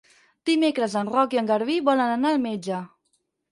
Dimecres en Roc i en Garbí volen anar al metge.